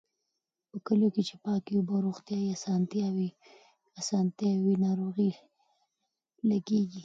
په کليو کې چې پاکې اوبه او روغتيايي اسانتیاوې وي، ناروغۍ لږېږي.